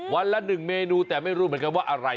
วันละหนึ่งเมนูแต่ไม่รู้แต่ว่าอะไร